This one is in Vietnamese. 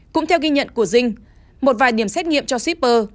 cũng theo ghi nhận của dinh một vài điểm xét nghiệm cho shipper